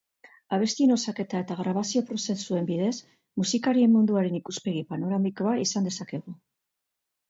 Abestien osaketa eta grabazio prozesuen bidez, musikarien munduaren ikuspegi panoramikoa izan dezakegu.